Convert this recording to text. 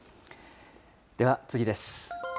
では次です。